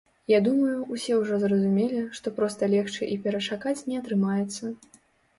Я думаю, усе ўжо зразумелі, што проста легчы і перачакаць не атрымаецца.